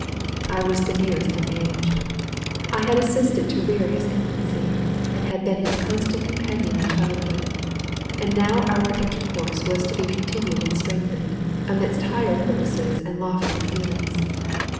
I was the nearest in age. I had assisted to rear his infancy, and been his constant companion in childhood; and now our intercourse was to be continued and strengthened, amidst higher purposes and loftier feelings.